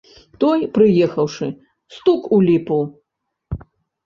Той, прыехаўшы, стук у ліпу.